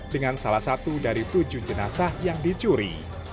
dengan salah satu dari tujuh jenazah yang dicuri